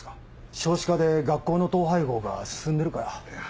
少子化で学校の統廃合が進んでるから。